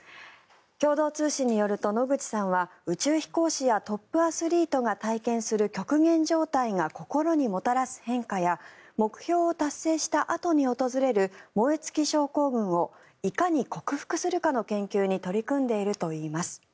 共同通信によると野口さんは宇宙飛行士やトップアスリートが体験する極限状態が心にもたらす変化や目標を達成したあとに訪れる燃え尽き症候群をいかに克服するかの研究に取り組んでいるといいます。